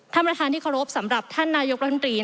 ท่านประธานที่เคารพสำหรับท่านนายกรัฐมนตรี